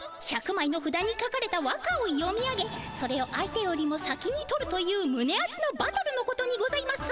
１００まいのふだに書かれた和歌を読み上げそれを相手よりも先に取るというむねあつのバトルのことにございます。